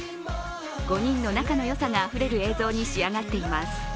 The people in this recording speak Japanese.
５人の仲の良さがあふれる映像に仕上がっています。